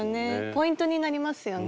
ポイントになりますよね。